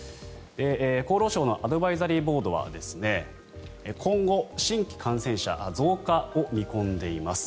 厚労省のアドバイザリーボードは今後、新規感染者増加を見込んでいます。